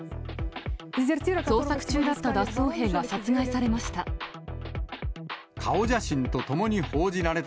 捜索中だった脱走兵が殺害されました。